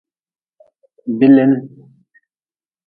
Bilin.